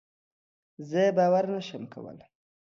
زه باور نشم کولی.